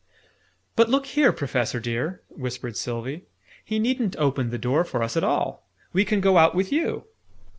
"But look here, Professor dear!" whispered Sylvie. "He needn't open the door for us, at all. We can go out with you."